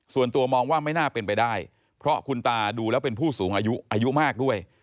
ส่วนตัวมองว่าไม่น่าเป็นไปได้เพราะคุณตาดูแล้วเป็นผู้สูงอายุอายุมากด้วย